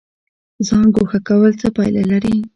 ځان ګوښه کول څه پایله لري؟